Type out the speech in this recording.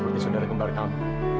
ooh salesnya tiket tuh iyeng